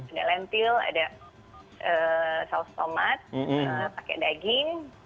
ada lentil ada saus tomat pakai daging